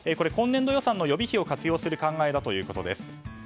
今年度予算の予備費を活用する考えだということです。